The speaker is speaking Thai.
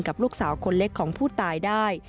กับลูกสาวคนเล็กของผู้ตายได้